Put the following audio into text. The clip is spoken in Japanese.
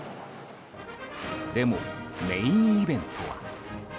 でも、メインイベントは。